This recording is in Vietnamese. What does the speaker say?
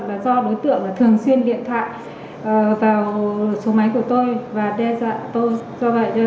và do đối tượng thường xuyên điện thạm vào số máy của tôi và đe dọa tôi